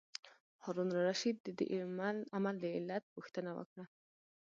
هارون الرشید د دې عمل د علت پوښتنه وکړه.